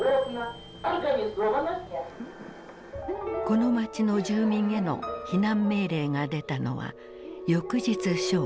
この街の住民への避難命令が出たのは翌日正午。